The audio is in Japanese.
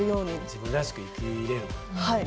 自分らしく生きれる。